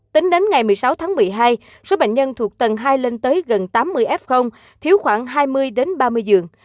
tính đến ngày một mươi sáu tháng một mươi hai số bệnh nhân thuộc tầng hai lên tới gần tám mươi f thiếu khoảng hai mươi ba mươi giường